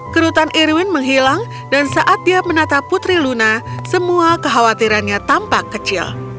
kerutan irwin menghilang dan saat dia menata putri luna semua kekhawatirannya tampak kecil